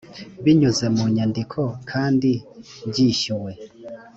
binyuze mu nyandiko kandi byishyuwe